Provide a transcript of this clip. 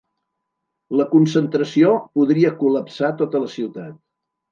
La concentració podria col·lapsar tota la ciutat